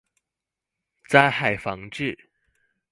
災害防治